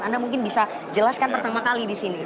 anda mungkin bisa jelaskan pertama kali di sini